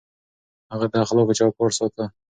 هغه د اخلاقو چوکاټ ساته.